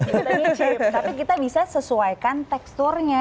tapi kita bisa sesuaikan teksturnya